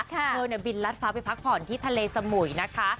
เธอบินรัดฟ้าไปพักผ่อนที่ทะเลสมุยนะคะ